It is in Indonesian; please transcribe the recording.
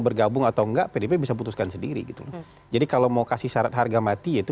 bergabung atau enggak pdp bisa putuskan sendiri gitu loh jadi kalau mau kasih syarat harga mati yaitu